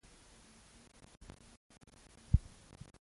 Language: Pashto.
په افغانستان کې د چرګانو روزنه شتون لري.